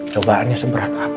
cobaannya seberat apa